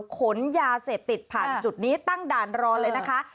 ขนยาเสพติดผ่านจุดนี้ตั้งด่านรอเลยนะคะ